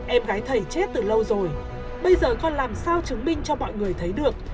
em gái thầy chết từ lâu rồi bây giờ con làm sao chứng minh cho mọi người thấy được